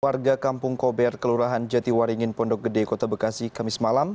warga kampung kober kelurahan jatiwaringin pondok gede kota bekasi kamis malam